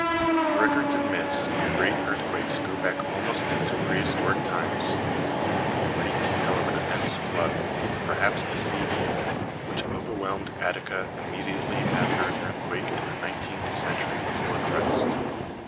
Records and myths of great earthquakes go back almost to prehistoric times. The Greeks tell of an immense flood perhaps a sea wave which overwhelmed Attica immediately after an earthquake in the nineteenth century before Christ.